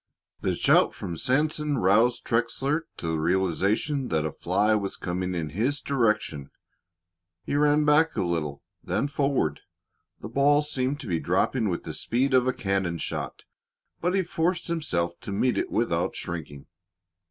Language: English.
The shout from Sanson roused Trexler to the realization that a fly was coming in his direction. He ran back a little, then forward. The ball seemed to be dropping with the speed of a cannon shot, but he forced himself to meet it without shrinking.